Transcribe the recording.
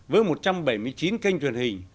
với một trăm bảy mươi chín kênh truyền hình